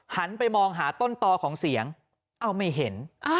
หันไปมองหาต้นตอของเสียงเอ้าไม่เห็น